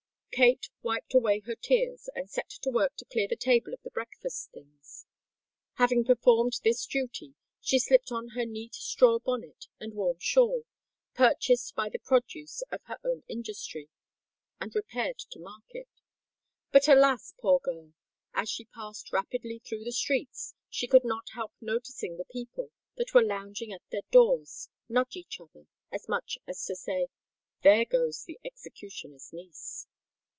Kate wiped away her tears, and set to work to clear the table of the breakfast things. Having performed this duty, she slipped on her neat straw bonnet and warm shawl,—purchased by the produce of her own industry,—and repaired to market. But, alas! poor girl—as she passed rapidly through the streets, she could not help noticing the people, that were lounging at their doors, nudge each other, as much as to say, "There goes the executioner's niece."